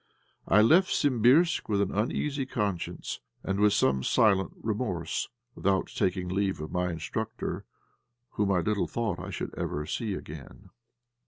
I left Simbirsk with an uneasy conscience, and with some silent remorse, without taking leave of my instructor, whom I little thought I should ever see again.